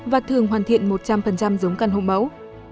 và thường hoàn thiện một trăm linh giống căn hộ mẫu